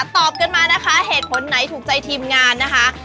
ตอบกันมานะคะเหตุผลไหนถูกใจทีมงานนะคะ